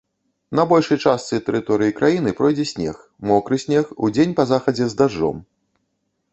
На большай частцы тэрыторыі краіны пройдзе снег, мокры снег, удзень па захадзе з дажджом.